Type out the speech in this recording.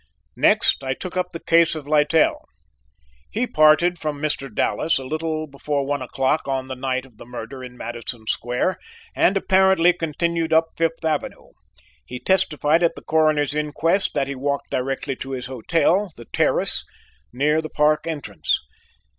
"Next I took up the case of Littell. He parted from Mr. Dallas a little before one o'clock on the night of the murder in Madison Square and apparently continued up Fifth Avenue. He testified at the Coroner's inquest that he walked directly to his hotel, The Terrace, near the Park entrance.